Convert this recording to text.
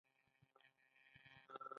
ایا زه خپل راپور درلیږلی شم؟